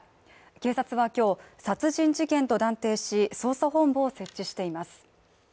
警察は今日殺人事件と断定し捜査本部を設置しています。